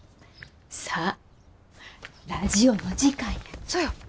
さあラジオの時間や。